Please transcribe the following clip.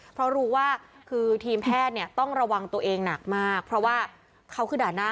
เพราะรู้ว่าคือทีมแพทย์เนี่ยต้องระวังตัวเองหนักมากเพราะว่าเขาคือด่านหน้า